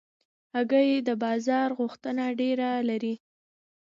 هګۍ د بازار غوښتنه ډېره لري.